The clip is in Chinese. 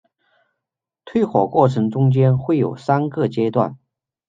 退火过程中间会有三个阶段。